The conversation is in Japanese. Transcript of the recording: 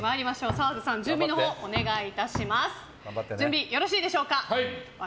澤部さん準備よろしいでしょうか。